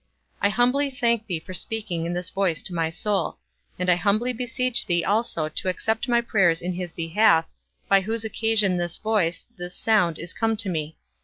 I humbly thank thee for speaking in this voice to my soul; and I humbly beseech thee also to accept my prayers in his behalf, by whose occasion this voice, this sound, is come to me.